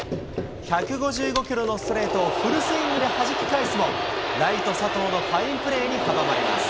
１５５キロのストレートをフルスイングではじき返すも、ライト、佐藤のファインプレーに阻まれます。